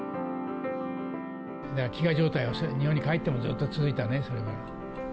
飢餓状態は、日本に帰ってもずっと続いたね、それは。